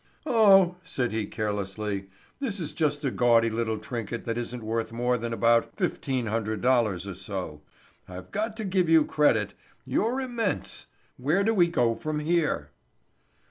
"Oh," said he carelessly, "this is just a gaudy little trinket that isn't worth more than about fifteen hundred dollars or so. I've got to give you credit. You're immense. Where do we go from here?"